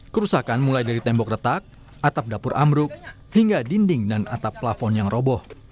kerusakan mulai dari tembok retak atap dapur ambruk hingga dinding dan atap plafon yang roboh